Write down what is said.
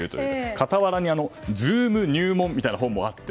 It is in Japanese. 傍らにＺｏｏｍ入門みたいな本もあって。